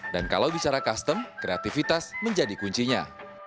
dan kalau bicara custom kreativitas menjadi kuncinya